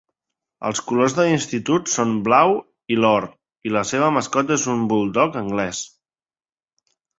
Els colors de l'institut són el blau i l'or, i la seva mascota és un buldog anglès.